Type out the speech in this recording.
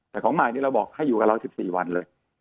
แต่ของใหม่นี้เราบอกให้อยู่กับเรา๑๔วันเลย